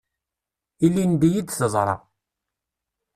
Ilinidi i d-teḍra.